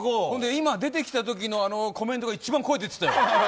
今、出てきたときのコメントが一番声出てたよ。